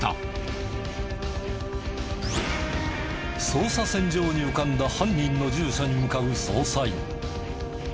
捜査線上に浮かんだ犯人の住所に向かう捜査員。